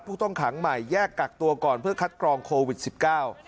ผู้ต้องขังใหม่แยกกักตัวก่อนเพื่อคัดกรองโควิดสิบเก้า